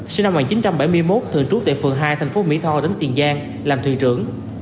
sinh năm một nghìn chín trăm bảy mươi một thường trú tại phường hai thành phố mỹ tho tỉnh tiền giang làm thuyền trưởng